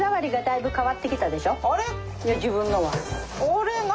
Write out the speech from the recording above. いや自分のも。